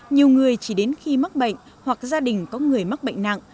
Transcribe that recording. nhiều người chỉ đến khi mắc bệnh hoặc gia đình có người mắc bệnh nặng